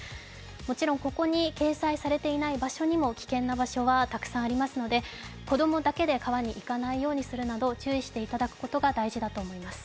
もちろんここに掲載されていない場所にも危険な場所はたくさんありますので子どもだけで川に行かないようにするなど注意していただくことが大事だと思います。